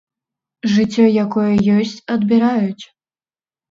Жыццё, якое ёсць, адбіраюць.